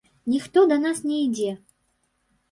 Ніхто да нас не ідзе.